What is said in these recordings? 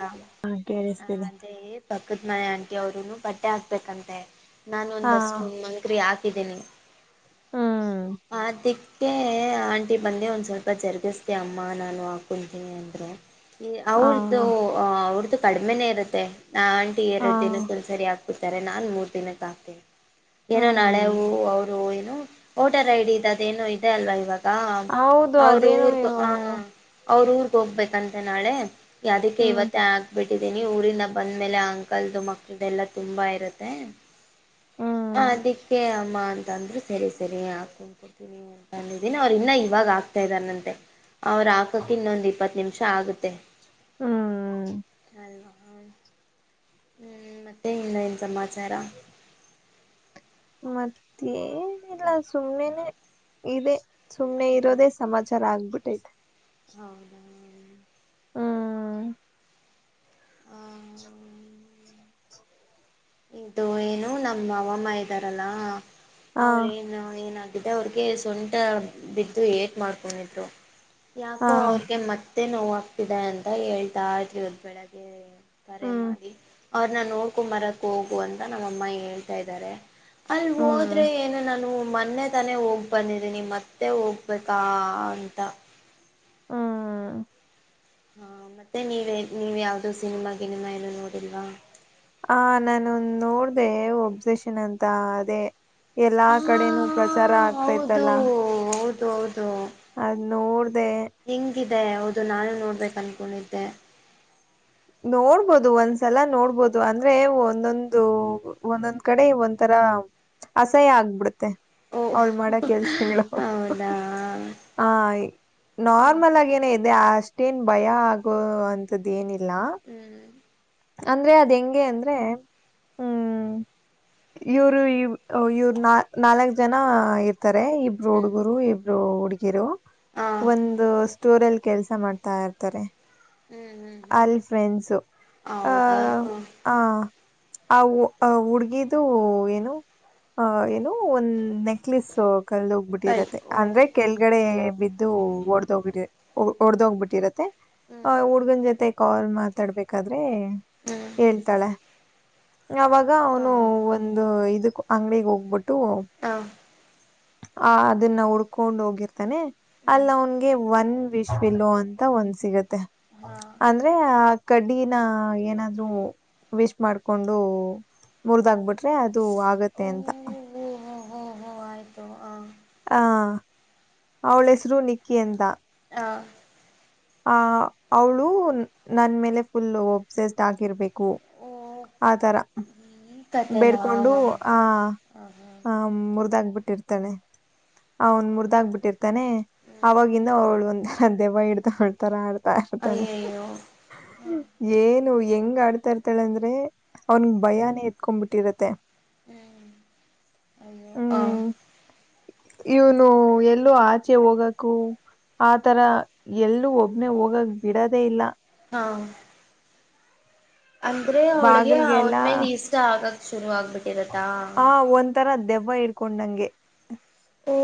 ಹ ಹಾ ಕೇಳಿಸ್ತಿದೆ ಅದೇ ಪಕ್ಕದ ಮನೆ ಆಂಟಿ ಅವರು ನು ಬಟ್ಟೆ ಹಾಕ್ಬೇಕಂತೆ. ನಾನು ಹಾ ಒಂದಷ್ಟು ಮಂತ್ರಿ ಹಾಗಿದ್ದೀನಿ ಹಾ ಹ ದಿಕ್ ಅದಕ್ಕೆ ಆಂಟಿ ಬಂದ ಒಂದು ಸ್ವಲ್ಪ ಜರುಗಿಸ್ತ ಅಮ್ಮ ನಾನು ಹಾಕೊತೀನಿ ಅಂದರೆ. ಅವ್ರದ ಅವ್ರದ್ದ ಕಡಿಮೆನೇ ಇರುತ್ತೆ ನ ಆಂಟಿ ಹಾ ಎರಡ್ದಿನಕ್ ಒಂದ್ ಸರಿ ಆಗ್ತ. ಹಕತಾರೆ ನಾನ್ ಮೂರ್ ದಿನಕ್ಕ ಅಕ್ತಿನಿ. ಏನೋ ಹ್ಮ್ ನಾಳೆವು ಅವರು ಏನು ಓಟರ ಐ ಡಿ ಇದ ಏನೋ ಇದೆ ಅಲ್ವಾ ಇವಾಗ ಹೌದು ಅವರು ಅದೇನು ಊರ್ಗ ಹ. ಅವ್ರ ಊರ್ಗ್ ಹೋಗ್ಬೇಕಂತೆ ನಾಳೆ ಅದಕ್ಕೆ ಹ್ಮ್ ಇವತ್ತೇ ಆಗ್ಬಿಟ್ಟ. ಅದಿನಿ ಊರಿಂದ ಬಂದ್ಮೇಲೆ ಆ ಅಂಕಲ್ದು ಮಕ್ಳದ ಎಲ್ಲಾ ತುಂಬಾ ಇರುತ್ತೆ. ಹ್ಮ್ ಹ ಅದಕ್ಕೆ ಅಮ್ಮ ಅಂ ದ್ರರು ಸರಿ ಸರಿ ಹಾಕೊಂಡ್ಕಡ್ತೀನಿ ಅಂತಂದಿದ್ದೀನಿ ಅವ್ರು ಇನ್ನ ಇವಾಗ ಆಗ್ತಾ ಇದ್ನ್ನಂತೆ. ಅವ್ರ ಹಾಕಕ್ ಇನ್ನೊಂದು ಇಪ್ಪತ್ತು ನಿಮಿಷ ಆಗತ್ತೆ. ಹ್ಮ್ ಹ್ಮ್ ಮತ್ತೆ ಇನ್ನೇನ್ ಸಮಾಚಾರ. ಮತ್ತೇನಿಲ್ಲ ಸುಮ್ನೆನೆನೇ ಇದೆ ಸುಮ್ನೆ ಇರೋದೇ ಸಮಾಚರ ಚಾರ ಆಗ್ಬಿಟ್ಟೈತೆ. ಹೌದಾ. ಹ್ಮ್ [inaudible] ಇದು ಏನು ನಮ್ಮ ಅಮ್ಮ ಇದ್ದಾರಲ್ಲಾ ಹಾ ಅವ್ರೇನು ಏನ. ಡ ಅವ್ರಿಗೆ ಸೊಂಟ ಬಿದ್ದು ಏಟ್ ಮಾಡ್ಕೊಂಡಿದ್ರು ಹಾ ಯಾಕೋ ಅವ್ರಿಗೆ ಮತ್ತೆ ನೋವಾಗ್ತಿದೆ ಅಂತ ಹೇಳ್ತಾ ಇದ್ರಿದ ಬೆಳಗ್ಗೆ ಕರೆ ಹ್ಮ್ ಮಾಡಿ ಅವ್ರನ್ನ ನೋಡ್ಕೊ ಬರಕ್ ಹೋಗು ಅಂತ ನಮ್ಮಮ್ಮ ಹೇಳ್ತಾ ಇದ್ದಾರೆ. ಅಲ್ಲಿ ಹ್ಮ್ ಹೋದ್ರೆ ಏನು ನಾನು. ಮೊನ್ನೆ ತಾನೆ ಹೋಗ್ ಬಂದಿದೀನಿ ಮತ್ತೆ ಹೋಗ್ಬೇಕಾ ಅಂತ. ಹ್ಮ್ ಹಾ ಮತ್ತೆ ನೀವ ನೀವ್ ಯಾವ್ದೋ ಸಿನಿಮಾ ಗಿನ್ಮಾ ಏನು ನೋಡಿಲ್ವಾ. ಹ ನಾನು ನೋಡ್ದ ಒಬ್ಸೆಷನ್ ಅಂತ ಅದೇ. ಎಲ್ಲಾ ಹಾ ಕಡೆನೂ ಪ್ರಚಾರ ಹೌದು ಆಗ್ತೈತಲ್ಲ. ಹೌದು ಹೌದು ಅದ ನೋಡ್ದೇ. ಅದೇ ಹೌದು ನಾನು ನೋಡ್ಬೇಕು ಅನ್ಕೊಂಡಿದ್ದೆ ನೋಡ್ಬೋದು ಒಂದ್ಸಲ ನೋಡ್ಬೋದು ಅಂದ್ರೆ ಒಂದೊಂದು ಒಂದೊಂದ್ ಕಡೆ ಒಂದ ತರ ಅಸಹ್ಯ ಆಗ್ಬಿಡುತ್ತೆ ಓಹ್ ಅವ್ಳ ಮಾಡೋ ಕೆಲ್ಸಗಳು ಹೌದಾ ಹ ಹ್ಮ್ ನಾರ್ಮಲ್ ಆಗ ಏನ ಇದೆ ಅಷ್ಟೇನ್ ಭಯ ಆಗೋ ಅಂತ್ದ್ ಏನಿಲ್ಲ ಹ್ಮ್ ಅಂದ್ರೆ ಅದ್ ಹೆಂಗೆ ಅಂದ್ರೆ ಹ್ಮ್ ಇವ್ರು ಇವುರ್ ನಾ ನಾಲ್ಕ್ ಜನ ಇರ್ ತಾರೆ ಇಬ್ರು ಹ್ಮ್ ಹುಡುಗರು ಇಬ್ರು ಹುಡುಗಿರು ಹಾ ಒಂದು ಸ್ಟೋರ್ಲ್ಲಿ ಕೆಲ್ಸ ಮಾಡ್ತಾ ಇರ್ತಾರೆ ಹ್ಮ್ ಹ್ಮ್ ಹ್ಮ್ ಅಲ್ಫ್ರೆಂಡ್ಸು ಆ ಹ ಆ ಅ ಹುಡ್ಗಿದು ಏನು ಅ ಏನು ಒಂದ್ ನೆ ಅಲೀಸ್ ಕಲ್ದ ಸರಿ ಹೋಗ್ಬಿಟ್ಟಿರತ್ತೆ ಓ ಅಂದ್ರೆ ಕೆಳಗಡೆ ಬಿದ್ದು ಒಡ್ದೋಗ್ಬಿಟ್ಟ ಒಡದ ಹೋಗ್ಬಿಟ್ಟಿರತ್ತೆ ಹ್ಮ್ ಜೊತೆ ಕಾಲ್ ಮಾತಾಡ್ಬೇಕಾದ್ರೆ ಹ್ಮ್ ಹೇಳ್ತಾಳೆ ಅವಾಗ ಹಾ ಅವನು ಹಾ ಒಂದು ಇದಕ್ ಅಂಗ್ಡಿಗೆ ಹೋಗ್ಬಿಟ್ಟು ಹಾ ಆ ಅದನ್ನ ಉುಡ್ಕೊಂಡ್ ಹೋಗಿರ್ತಾನೆ ಹ್ಞೂ ಅಲ್ಲ ಅವನ್ಗೆ ಒಂದ ವಿಶ್ವಿಲು ಅಂತ ಒಂದ್ ಸಿಗತ್ತೆ ಹಾಂ ಅಂದ್ರೆ ಆ ಕಡ್ಡಿನ ಏನಾದ್ರೂ ವಿಶ್ ಮಾಡ್ಕೊಂಡು ಮುರಿದ ಆಗಬಿಟ್ಟ ಆದೆ ಅದು ಆಗತ್ತೆ ಅಂತ ಹೊ ಹೊ ಆಯ್ತು ಆ ಹ ಅವಳ ಹೆಸರು ನಿಕ್ಕಿ ಅಂತ ಹ ಆ ಅವಳು ನನ್ ಮೇಲೆ ಫುಲ್ ಒಬ್ಸೆಸ್ಡ್ ಆಗಿರ್ಬೇಕು ಓ ಆಥರ ಈ ಕತೆನಾ ಬೇಡ್ಕೊಂಡು ಹಾಂ ಆ ಹಾಂ ಹ ಮುರಿದಾಗಬಿಟ್ಟಿರ್ತಾನೆ ಅವನ್ ಮುರಿದಾಗಬಿಟ್ಟಿರ್ತಾನೆ ಹ್ಞೂ ಆವಾಗಿಂದ ಅವಳ ಒಂದು ನಂದೆಬ್ಬ ಇಡ್ತಾಡ್ತಾರ ಆಡ್ತಾ ಆಡ್ತಳೆ ಅಯ್ಯಯ್ಯೋ ಹಾಂ ಏನು ಹೆಂಗ್ ಆಡ್ತಾ ಇರ್ತಾಳೆ ಅಂದ್ರೆ ಅವನ್ ಭಯಾನೇ ಎತ್ಕೊಬಿಟ್ಟಿರತ್ತೆ ಹ್ಮ ಹಾ ಹ್ಮ್ ಇವನು ಎಲ್ಲೋ ಆಚೆ ಹೋಗಕು ಆತರ ಎಲ್ಲೂ ಒಬನೆ ಹೋಗಾಗ ಬಿಡದೇ ಇಲ್ಲ ಹಾ ಅಂದ್ರೆ ಅವಳಗೆ ಅವನ್ ಬಾಗಿಲ್ಗೆಲ್ಲ ಮೇಲೆ ಇಷ್ಟ ಆಗಕ್ ಶುರು ಆಗ್ಬಿಟ್ಟಿರತ್ತಾ ಆ ಒಂಥರ ದೆವ್ವ ಇಡ್ಕೊಂಡ್ ನಂಗೆ ಓ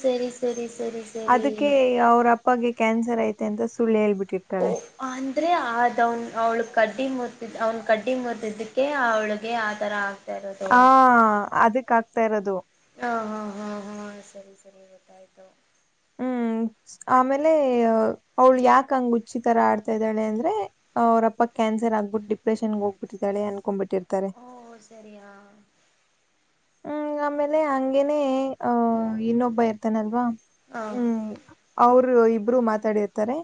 ಸರಿ ಸರಿ ಸರಿ ಅದಕ್ಕೆ ಅವ್ರ ಅಪ್ಪಗೆ ಕ್ಯಾನ್ಸರ್ ಐತೆ ಅಂತ ಸುಳ್ಳು ಹೇಳ್ಬಿಟ್ಟು ಓ ಅಂದ್ರೆ ಆದವನ್ ಅವ್ಳ ಕಡ್ಡಿ ಮುತಿದ್ ಅವ್ನ್ ಕಡ್ಡಿ ಮುರ್ತಿದ್ದಕ್ಕೆ ಅವಳಿಗೆ ಆ ತರ ಆ ರ ಆ ಅದಕ್ ಆಗ್ತಾ ಇರೋದು ಹ ಹಾ ಹಾ ಹಾ ಸರಿ ಸರಿ ಬಡಾಯದು ಹ್ಮ್ ಆಮೇಲೆ ಅವ್ಳು ಯಾಕ ಹಂಗ ಹುಚ್ಚಿತರ ಆಡ್ತಾ ಇದ್ದಾಳೆ ಅಂದ್ರೆ ಅವ್ರಪ್ಪ ಕ್ಯಾನ್ಸರ್ ಆಗ್ಬಿು ಡಿಪ್ರಷನ್ಗೆ ಹೋಗಬಿಟ್ಟಾಳೆ ಅ ಓ ಸರಿಯಾ ಹ್ಮ್ ಆಮೇಲೆ ಹಂಗೇನೆ ಆಹ ಇನ್ನೊಬ್ಬ ಇರ್ತಾನಲ್ವಾ ಹ ಹ್ಮ್ ಅವರು ಇಬ್ರು ಇಬ್ಬರು ಮಾತಾಡಿರ್ತಾರೆ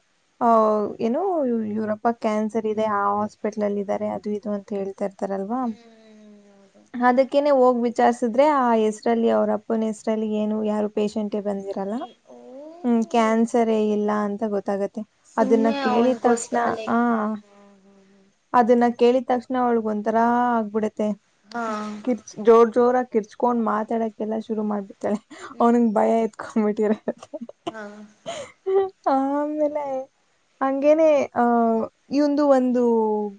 ಏ ಯುರಪ ಕ್ಯಾನ್ಸರ್ ಇದೆ ಆ ಹಾಸ್ಪಿಟ್ಲ ಅಲ್ಲಿ ಇದಾರೆ ಅದು ಇದು ಅಂತ ಹೇಳ್ತಾರೆ ರಲ್ವ ಹ್ಮ್ ಹೌದು ಅದಕ್ಕೇ ಹೋಗ ಚಿಸಿದ್ರೆ ಆ ಹೆಸರಲ್ಲಿ ಅವ್ರ ಅಪ್ಪಬನ ಹೆಸರಲ್ಲಿ ಏನು ಯಾರು ಪೇಷೆಂಟ್ ಬಂದಿರಲ್ಲ ಓ ಹ್ಮ್ ಕ್ಯಾನ್ಸರ್ ಹೇ ಇಲ್ಲ ಅಂತ ಗೊತ್ತಾಗತ್ತೆ ಅದನ್ನ ಸುಮ್ನೆ ಕೇಳಿದ ಅವನ್ಗೋಸ್ಕ ತಕ್ಷಣ ಆ ಲೈಕ್ ಅದನ್ನ ಕೇಳಿದ ತಕ್ಷಣ ಅವಳಗ ಒಂಥರಾ ಆಗ್ಬಿಡತ್ತೆ ಹಾ ಹ್ಮ್ ಕಿರ್ ಜೋರ್ ಚ್ಟೋರಕ ಇರ್ಚ್ಕೊಂಡ್ ಮಾತಾಡಕ್ಕೆೆಲ್ಲಾ ಶುರು ಮಾಡ್ಬಿತಾಳೆ ಅವನಿಗೆ ಭಯ ಎತ್ಕೊಂಡ್ಬಿಟಿರಿ ಹಾ ಹಲೆ ಹಂಗೇನೆ ಅಹ ಇಂದು ಒಂದು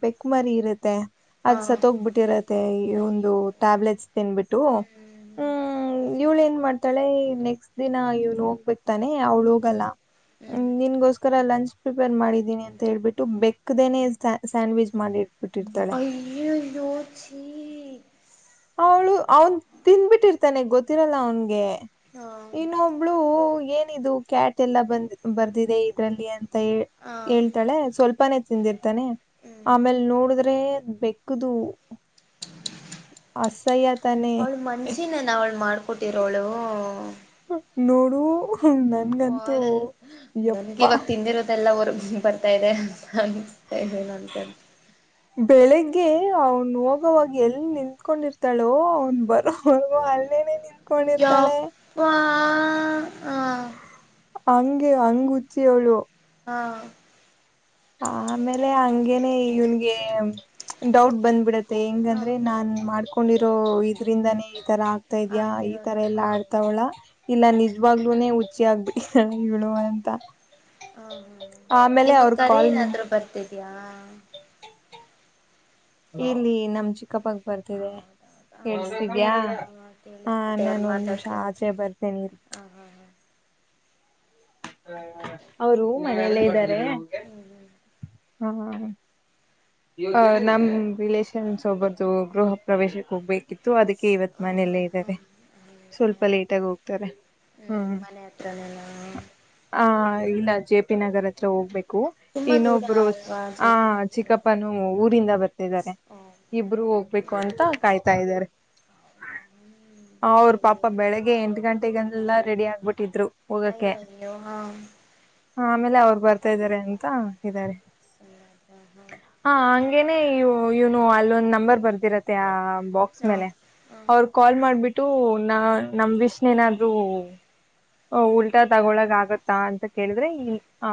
ಬೆಕ್ಮರಿ ಇರುತ್ತೆ ಅದ್ ಹಾ ಸತ್ ಹೋಗ್ಬಿಟ್ಟಿರತ್ತೆ ಈ ಒಂದು ಟ್ಯಾಬ್ಲೆಟ್ ತಿನ್ಬಿಟ್ಟು ಹ್ಮ್ ಇವ್ಳ ಏನ್ ಮಾಡ್ತಾಳೆ ನೆಕ್ಸ್ಟ್ ದಿನ ಇವನು ಹೋಗ್ಬೇಕಕ್ ತಾನೆ ಅವ್ಳು ಹೋಗಲ್ಲ ಹ್ಮ ನಿನ್ಗೋಸ್ಕರ ಲಂಚ್ ಪ್ರಿಪೇರ್ ಮಾಡಿದ್ದೀನಿ ಅಂತ ಹೇಳ್ಬಿಟ್ಟು ಬೆಕ್ದನೆ ಸ್ಯಾಂಡ್ವಿಚ್ ಮಾಡಿ ಇಟ್ಬಿಟ್ಟಿರ್ತಾಳೆ ಅಯೋೋಚ ಅವಳು ಅವನ್ ತಿಿಂದ್ಬಿಟ್ಟಿರ್ತಾನೆ ಗೊತ್ತಿರಲ್ಲ ಅವನ್ಗೆ ಇನ್ನೊಬ್ಳು ಏನಿದು ಕ್ಯಾಟ್ ಎಲ್ಲ ಬಂದ ಬರ್ದಿದೆ ಇದ್ರಲ್ಲಿ ಅಂತ ಹೇಳ್ತಾಳೆ ಸ್ವಲ್ಪನೆೇ ತಿಂದಿರ್ತಾನೆ ಆಮೇಲ್ ನೋಡಿದ್ರೆ ಬೆಕ್ಕದು ಅಸಹ್ಯ ತಾನೆ ಅವಳು ಮನ್ಸಿನನ್ ಅವಳು ಮಾಡ್ಕೊಟ್ಟಿರೋಳು ನೋಡು ಅಪ್ಪ ನನ್ಗಂತೂ ನನ್ಗೆ ಯಪ್ಪಾ ಇವಾಗ ತಿಂದಿರೋದೆಲ್ಲ ಅವರು ಬರ್ತಾ ಇದೆ ಅಂತ ಅನಿಸ್ತಾ ಇದದೆ ನನ್ಕಂತ ಬೆಳಿಗ್ಗೆ ಅವ್ನು ಹೋಗವಾಗ ಎಲ್ಲಿ ನಿಂತ್ಕೊಂಡಿರ್ತಾಳೋ ಅವ್ನ್ ಬರೋ ಅಲ್ಲೇನೆ ನಿ ಕೊಂಡಿರ್ತಾಳೆ ಯಪ್ಪಾ ಆ ಹಂಗೆ ಹಂಗ ಹಚ್ಚಿಯ ಅವಳು ಹಾ ಆಮೇಲೆ ಹಂಗೇನೆ ಇವನ್ಗೆ ಡೌಟ್ ಬಂದ್ಬಿಡತ್ತೆ ಮತ್ತ ಆ ಹೆಂಗಂದ್ರೆ ನಾನ್ ಮಾಡ್ಕೊಂಡಿರೋ ಇದರಿಂದಾನೇ ಈ ತರ ಆಗ್ತಾ ಇದ್ಯಾಾ ಈ ತರ ಆಗ್ತಿರೋದು ಎಲ್ಲಾ ಆ ಹಾ ಆಡ್ತಾವಳ ಇಲ್ಲ ಹಾ ಹಾ ನಿಜವಾಗ್ಲೂ ಖಚಿ ಆಗ್ಬೇಕ ಹೇಳುವ ಅಂತ ಹಾ ಹ್ಮ್ ಆಮೇಲೆ ನಿಮ ಅವ್ರ ಕರೆ ಕಾಲ್ ಏನಾದ್ೂ ಬರ್ತಿದ್ಯಾಾ ಇಲ್ಲಿ ನಮ್ ಚಿಕ್ಕಪ್ಪಾಗ ಬರ್ತಿದೆ ಹೌದೌದು ಹಾಂ ಕಳ್ಸಿದ್ಯಾ ಹಾಂ ಹಾಂ ಹ ಕೇಳಿಸ್ತಿದೆ ಅವ್ರು ನಾನು ಒಂದ್ ನಿಮಿಷ ಮಾತಾಡ್ತಿರೋದು ಆಚೆ ಬರ್ತೇನಿರಿ ಹಾಂ ಹಾಂ ಹಾಂ ಅವರು ಮನೆಯಲ್ಲ ಇದ್ದಾರೆ ಹ್ಮ್ ಹ್ಮ್ ಹಾ ಆ ನಮ್ ರಿಲಷನ್ಸ್ ಒಬ್ಬರ್ದು ಗೃಹ ಪ್ರವೇಶಕ್ಕೆ ಹೋಗ್ಬೇಕು ತ್ತು ಅದಕ್ಕೆ ಇವತ್ ಹ್ಞೂ ಮನೆಯಲ್ಲೇ ಇದ್ದಾರೆ ಹಾಂ ಹಾಂ ಹಾಂ ಹೌದಾ ಸ್ವಲ್ಪ ಲೇಟ್ ಆಗ ಹೋಗ್ತಾರೆ ಹ್ಞೂ ಹ್ಮ್ ಮನೆ ಹತ್ರನೇನಾ ಹ ಇಲ್ಲ ಜೆ ಪಿ ನಗರ್ ಹತ್ರ ಹೋಗ್ಬೇಕು ತುಂಬ ದೂರ ಇನ್ನೊಬ್ ೋಸ್ ಅಲ್ವಾ ಜೆ ಆ ಪಿ ನಗರ ಚಿಕ್ಕಪ್ಪನುೂ ಊರಿಂದ ಬರ್ತಿದ್ದಾರೆ ಓ ಇಬ್ರು ಹೋಗ್ಬೇಕು ಹ್ಞೂ ಅಂತ ಕಾಯ್ತಾ ಇದ್ದಾರೆ ಹೌದಾ ಹ್ಞೂ ಅವರು ಹೇಳಿ ಪಾಪ ಬೆಳಿಗ್ಗೆ ಎಂಟು ಗಂಟೆೆಗೆಲ್ಲ ರೆಡಿ ಆಗ್ಬಿಟ್ಟಿದ್ರು ನ ಹೋಗಕ್ಕೆ ಆ ಹಾ ಆಮೇಲೆ ಅವ್ರು ಬರ್ತಾ ಇದ್ದಾರೆ ಅಂತ ಇದ್ದಾರೆ ಸಮಧ ೇನೆ ಇವನು ಅಲ್ಲೊಂದು್ ನಂಬರ್ ಬರ್ದಿರತ್ತೆ ಆ ಬಾಕ್ಸ್ ಮೇಲೆ ಅವ್ರ ಕಾಲ್ ಮಾಡ್ಬಿಟ್ಟು ನ ನಮ ವಿಷನ್ ಏನಾದ್ೂ ಉಲ್ಟಾ ತಗೊಳಕ್ ಆಗತ್ತಾ ಅಂತ ಕೇಳಿದ್ರೆ ಆ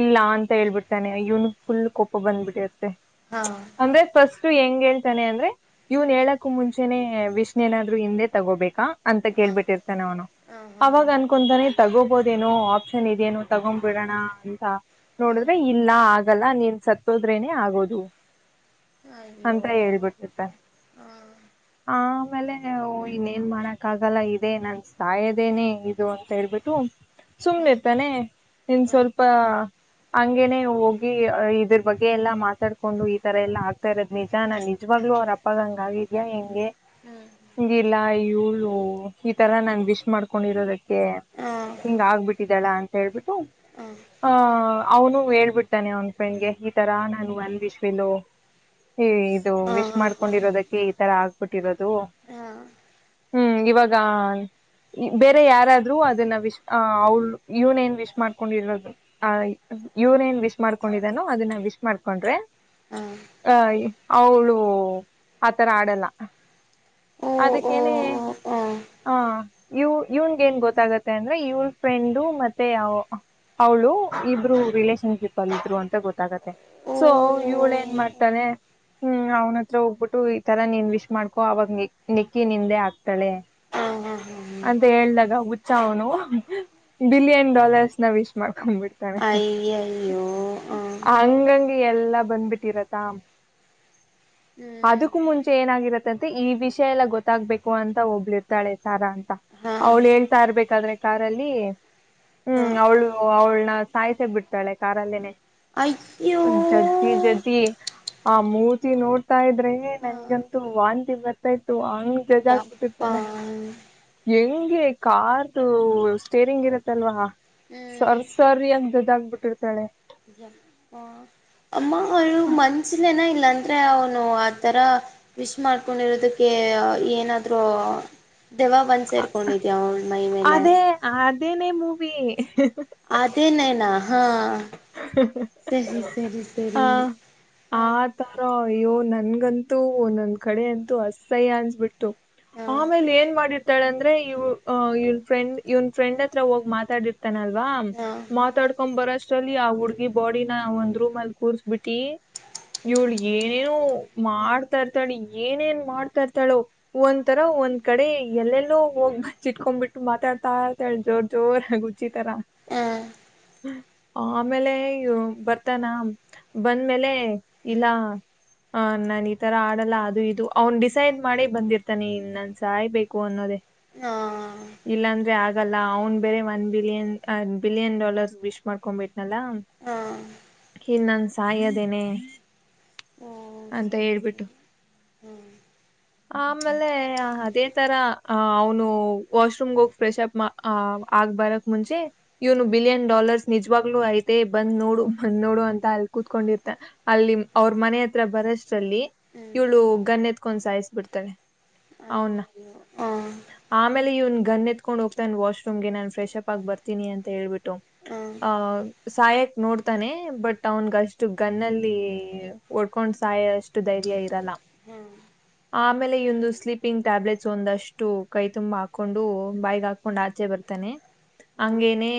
ಇಲ್ಲ ಅಂತ ಹೇಳ್ಬಿಡ್ತಾನೆ ಇವನು ಫುಲ್ ಕೋಪ ಬಂದ್ಬಿಡತ್ತೆ ಹಾಂ ಹಾಂ ಅಂದ್ರೆ ಫಸ್ಟ್ ಇ ಹೆಂಗ್ ಹೇಳ್ತಾನೆ ಅಂದ್ರೆ ಇವ್ನ್ ಹೇಳಕ್ ಮುಂಚೆನೆ ವಿಷ್ಣು ನಾದ್ರು ಹಿಂದೆ ತಗೋಬೇಕಾ ಅಂತ ಹಾಂ ಕೇಳ್ಬಿಟ್ಟಿರ್ತಾನೆ ಅವನು ಹಾಂ ಹಾಂ ಹಾಂ ಅವಾಗ ಅನ್ಕೊಂತಾನೆ ತಗೋ ಹಬೋದೇನೋ ಆಪ್ಷನ್ ಇದೇನು ತಗೊ್ಬಿಡೋಣ ಅಂತ ನೋಡಿದ್ರೆ ಹ್ಮ ಇಲ್ಲ ಆಗಲ್ಲ ನೀನ್ ಸತ್ತೋದ್ರೇನೆ ಆಗೋದು ಅಯ್ಯೋ ಅಂತ ಹೇಳ್ಬಿಟ್ಟಿತ್ತ ಹಾಂ ಆ ಆಮೇಲೆ ಇನ್ನೇನ್ ಮಾಡಕ್ ಆಗಲ್ಲ ಇದೆ ನನ್ ತಾಯದೇನೆ ಇದು ಅಂತ ಹೇಳ್ಬಿಟ್ಟು ಸುಮ್ನೆ ಹಾಂ ಇರ್ತಾನೆ ನಿನ್ ಹಾಂ ಸ್ವಲ್ಪ ಹಂಗೇನೆ ಹೋಗಿ ಇದ್ರ ಬಗ್ಗೆ ಎಲ್ಲಾ ಮಾತಾಡ್ಕೊಂಡು ಈ ತರ ಎಲ್ಲಾ ಆಗ್ತಾ ಇರೋದು್ ನಿಜ ನಾ ನಿಜವಾಗ ಅವರ ಅಪ್ಪ ಗಂಗಿದ್ಯಾ ಹೆಂಗೆ ಹ್ಞೂ ಹಂಗಿಲ್ಲ ಇೂಳ ಈ ತರ ನಾ ವಿಶ್ ಮಾಡ್ಕೊಂಡಿರೋದಕ್ಕೆ ಹಾಂ ಹಿಂಗ ಆಗ್ಬಿಟ್ಟಿದಳ ಅಂತ ಹೇಳ್ಬಿಟ್ಟು ಹಾಂ ಆಹ ಅವನು ಹೇಳ್ಬಿಟ್ಟಾನೆ ಅವ್ ಫೆಂಡ್ಗೆ ಈ ತರ ನಾನು ಅ ವಿಶ್ ಇಲು ಇದು ಹಾ ವಿಶ್ ಹಾ ಮಾಡ್ಕೊಂಡಿರೋದಕ್ಕೆ ಈ ತರ ಆಗ್ ಬಿಟ್ಟಿರೋದು ಹಾ ಹ್ಮ್ ಇವಾಗ ಬೇರೆ ಯಾರಾದ್ರೂ ಅದನ್ನ ವಿಶ್ ಆ ಅವ್ ಇವನ ಏನ್ ವಿಶ್ ಮಾಡ್ಕೊಂಡಿರೋದು ಆ ಯೂರೇನ್ ವಿಶ್ ಮಾಡ್ಕೊಂಡಿದ್ದಾನು ಅದನ್ನ ವಿಶ್ ಮಾಡ್ಕೊಂಡ್ರೆ ಹಾ ಹಾ ಅ ಅವಳು ಆತರ ಆಡಲ್ಲ ಓ ಓ ಅದಕ್ಕೇನೆ ಓ ಆ ಇವು ಇವ್ನ್ಗ ಏನ್ ಗೊತ್ತಾಗತ್ತೆ ಅಂದ್ರೆ ಇವಳ ಫ್ರೆಂಡು ಮತ್ತೆ ಅವ ಅವಳು ಇಬ್ರು ರಿಲೇಷನ್ಶಿಪ್ ಅಲ್ಲಿ ಇದ್ರು ಅಂತ ಗೊತ್ತಾಗತ್ತೆ ಓ ಸೊ ಇವಳ ಏನ್ ಮಾಡ್ತಾನೆ ಹ್ಮ್ ಅವ್ನ ಹತ್ರ ಹೋಗ್ಬಿಟ್ಟು ಈತರ ನೀನ್ ವಿಶ್ ಮಾಡ್ಕೊ ಅವಾಗ ನಿ ನೆಕ್ಕಿ ನಿಂದೆ ಆಗ್ತಾಳೆ ಹಾ ಹಾ ಹಾ ಅಂತ ಹೇಳ್ದಾಗ ಹುಚ್ಚ ಅವನು ಬಿಲಿಯನ್ ಡಾಲರ್ಸ್ ನ ವಿಶ್ ಮಾಡ್ಕೊಂಡ್ಬಿಟ್ಟಿ ಯ ಅಯ್ಯೋ ಹ ಹಂಗಂಗೆ ಎಲ್ಲಾ ಬಂದ್ಬಿಟ್ಟಿರತ್ತಾ ಅದಕ್ಕೂ ಮುಂಚೆ ಏನಾಗಿರತ್ತಂತೆ ಈ ವಿಷಯ ಎಲ್ಲ ಗೊತ್ತಾಗ್ಬೇಕು ಅಂತ ಒಬ್ಳ ಇರ್ತಾಳೆ ಸಾರ ಅಂತ ಹಾ ಅವ್ಳು ಹೇಳ್ತಾ ಇರ್ಬೇಕಾದ್ರೆ ಕಾರಲ್ಲಿ ಹಾ ಹ್ಮ್ ಅವಳು ಅವಳನ ಸಾಯ್ತೆ ಬಿಡ್ತಾಳೆ ಕಾರಲ್ಲೇನೆ ಅಯ್ಯೂ ಜಜ್ಜಿ ಜಜ್ಜಿ ಆ ಮೂರ್ತಿ ನೋಡ್ತಾ ಇದ್ರ ಹಾ ನನ್ಗಂತೂ ವಾಂತಿ ಬರ್ತಾ ಇತ್ತು ಆ ಹ್ಮ ಯಪ್ಪಾ ಜಜಾಗಬಿಟ್ಟಿರ್ತಳೆ ಹ್ಮ್ ಹೆಂಗೆ ಕ್ದು ಸ್ಟೇರಿಂಗ್ ಇರತ್ತಲ್ವಾ ಸರ್ ಸರಿ ಅಂದದ್ದ ಆಾಗಬಿಟ್ಟಿರ್ತಾಳೆ ಹ ಅಮ್ಮ ಅವ ಮನಷಿನನ ಇಲ್ಲಾ ಅಂದ್ರೆ ಅವನು ಆಥರ ವಿಶ್ ಮಾಡ್ಕೊಂಡಿರೋದಕ್ಕೆ ಏನಾದ ದೆವಾ ಒಂದ ಸೇರ್ಕೊಂಡಿದ್ದಿದೀ ಅದೇ ಅದೇನೇ ಮೂವಿ ಅದೇ ನ ನ ಹಾ ಸರಿ ಸರಿ ಹ ಸರಿ ಹ ಆ ತರ ಅಯ್ಯೋ ನನ್ಗಂತೂ ನನ್ ಕಡೆ ಅಂತೂ ಅಸ್ಸಯ್ಯ ಅನ್ಸ್ಬಿಟ್ಟು ಹ ಆಮೇಲೆ ಏನ್ ಮಾಡಿ ಳ ಅಂದ್ರೆ ಇವ್ ಇವ್ ್ರಂಡ್ ಇವ್ ಫ್ರೆಂಡ್ ಹತ್ರ ಹೋಗಿ ಮಾತಾಡಿರ್ತ ತನಲ್ವಾ ಹಾ ಮಾತಾಡ್ಕೊಂಡ್ ಬರೋ ಚಲಿ ಆ ಹುಡ್ಗಿ ಬಾಡಿನ ಒಂದ್ ರೂಮ್ ಅಲ್ಲಿ ಕೂರ್ಸ್ಬಿಟ್ಟಿ ಇಳಗ ಏನೇನು ಹ್ಮ್ ಮಾಡ್ತಾ ಇರ್ತಾಡಿ ಏನೇನ್ ಮಾಡ್ತಾ ಇರ್ತಾಳೋ ಒಂಥರ ಒಂದ್ ಕಡೆ ಎಲ್ಲೆಲ್ಲೋ ಹೋಗ್ ಬ ಇಟ್ಕೊಂಡ್ಬಿಟ್ಟು ಮಾತಾಡ ತಾತ ಜೋರ್ ಜೋರ್ ಹುಚ್ಚಿತರ ಹಾ ಆಮೇಲೆಯ್ಯೋ ಬರ್ತಾನ ಬಂದ್ಮೇಲೆ ಇಲ್ಲಾ ಹ್ಮ್ ಹ ನಾನ ಈ ತರ ಆಡಲ್ಲ ಅದು ಇದು ಅವ್ನ್ ಡಿಸೈಡ್ ಮಾಡಿ ಬಂದಿರ್ತಾನೆ ಇನ್ ನನ್ ಸಾಯ್ಬೇಕು ಅನ್ನೋದೇ ಹಾ ಲ್ಲ ಅವ್ನ್ ಬೇರೆ one billion billion dollars wish ಮಾಡ್ಕೊ್ಬಟ್ಟು ಲ್ಲ ಹಾ ನ್ ನನ್ ಸಾಯದೇನೆ ಹ್ಮ ಸರಿಸರಿ ಹ್ಮ್ ಆಮೇಲೆ ಅದೇ ತರ ಅವ್ನು ವಾಶ್ರೂಮ್ ಹೋಗಿ ಫ್ರೆಶ್ ಅಪ್ ಆ ಆಗ್ಬಾರ ಮುಂಚೆ ಇವನು ಹ್ಮ್ ಬಿಲಿಯನ್ ಡಾಲರ್ಸ್ ನಿಜವಾಗ್ಲುೂ ಐತೆ ಬಂದ್ ನೋಡು ಬಂದ್ ನೋಡು ಅಂತ ಅಲ್ಲಿ ಕೂತ್ಕೊಂಡಿರ್ತ ಅಲ್ಲಿ ಅವ್ರ ಮನೆ ಹತ್ರ ಬರ ಮಹಾರಷ್ಟ್ರಲ್ಲಿ ಹ್ಮ್ ಇವಳು ಗನ್ನ ಎತ್ಕೊಂಡ್ ಸಾಯಿಸಿ ಬಿಿಡ್ತಳೆ ಹ್ಮ ಆಮೇಲೆ ಇವ್ ಗನ್ ಎತ್ಕೊಂಡ ಹೋಗ್ತಾನ ವಾಶ್ರೂಮ್ಗೆ ನಾನ ಫ್ರೆ ಅಪ್ ಆಗ್ ಬರ್ತೀನಿ ಅಂತೇಳ್ಬಿಟ್ಟು ಹಾ ಆಹ ಸಾಯಕ್ ನೋಡ್ತಾನೆ ಬಟ್ ಅವನ್ಗ ಅಷ್ಟು ಗನ್ನಲ್ಲಿ ಒಡ್ಕೊಂಡ್ ಸಾಯ ಅಷ್ಟು ಧೈರ್ಯ ಇರಲ್ಲ ಹ್ಮ ಆಮೇಲೆ ಈ ಒಂದು ಸ್ಲೀಪಿಂಗ್ ಟ್ಯಾಬ್ಲೆಟ್ಸ್ ಒಂದಷ್ಟು ಕೈ ತುಂಬಾ ಹಾಕೊಂಡು ಬಾಯಗ್ ಹಾಕೊಂಡು ಆಚೆ ಬರ್ತಾನೆ ಹಂಗೇನೆೇ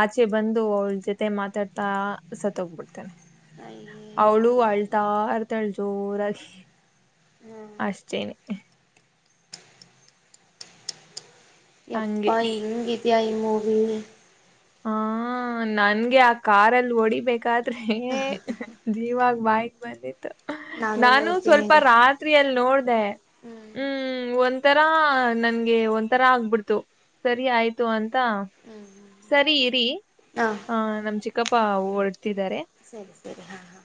ಆಚೆ ಬಂದು ಅವಳ ಜೊತೆ ಮಾತಾಡ್ತಾ ಸತ್ತೋಗ್ಬಿಡ್ತೇಾನೆ ಅವಳು ಅಯ್ಯಯ್ಯೋ ಆಳ್ತ ಹಾ ಅರ್ತಳ್ ಜೋರಾಗಿ ಅಷ್ಟೇನೆ ಹಂಗೆ ಎಪ್ಪಾ ಎಂಗ ಇದಿ ಈ ಮೋವಿ ಹಾ ನನ್ಗೆ ಆ ಕಾರಲ್ಲಿ ಹೊಡಿಬೇಕಾದ್ರೆ ಜೀವಾ ವೈಕ್ ಬಂದಿತ್ತು ನಾನು ನೋಡ್ತೀನಿ ಸ್ವಲ್ಪ ಇರು ರಾತ್ರಿಯಲ್ಲಿ ನೋಡ್ದ ಹ್ಮ್ ಒ ಒ ತರಾ ನನ್ಗೆ ಒಂಥರಾ ಆಗ್ಬಿಡ್ತು ಸರಿ ಆಯ್ತು ಅಂತಾ ಹ್ಮ್ ಹ್ಮ್ ಸರಿ ಇರಿ ಹಾ ಆ ನಮ್ಮ ಚಿಕ್ಕಪ್ಪಾ ಹೊಡ್ತಿದ್ದಾರೆ ಸರಿ ಸರಿ ಹಾ ಹಾ ಹ